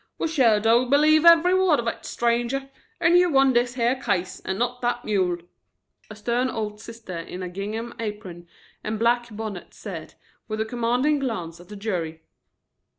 "We shore do believe every word of it, stranger, and you won this here case and not that mule," a stern old sister in a gingham apron and black bonnet said, with a commanding glance at the jury.